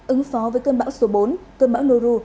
ứng phó với cơn bão số bốn cơn bão nu